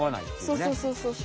そうそうそうそう。